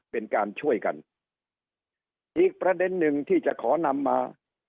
เป็นการช่วยกันอีกประเด็นหนึ่งที่จะขอนำมา